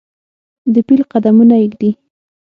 دپیل قدمونه ایږدي